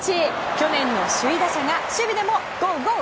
去年の首位打者が守備でもゴーゴー！